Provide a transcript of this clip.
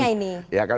apa bedanya ini